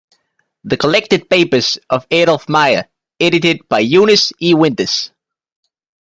T"he Collected Papers of Adolf Meyer", edited by Eunice E. Winters.